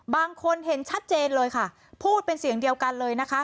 บางคนเห็นชัดเจนเลยค่ะพูดเป็นเสียงเดียวกันเลยนะคะ